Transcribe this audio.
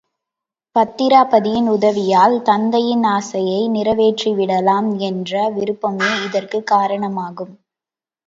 பத்திராபதியின் உதவியால் தத்தையின் ஆசையை நிறைவேற்றிவிடலாம் என்ற விருப்பமே இதற்குக் காரணமாகும்.